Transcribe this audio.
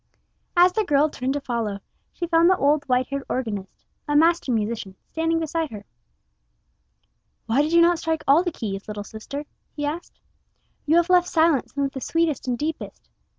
As the girl turned to follow, she found the old white haired organist, a master musician, standing beside her. "Why did you not strike all the keys, little sister?" he asked. "You have left silent some of the sweetest and deepest.